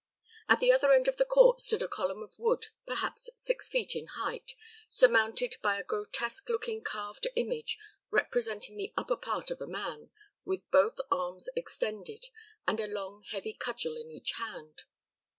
At the other end of the court stood a column of wood, perhaps six feet in height, surmounted by a grotesque looking carved image, representing the upper part of a man, with both arms extended, and a long, heavy cudgel in each hand.